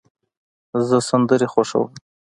زه سندرې خوښوم.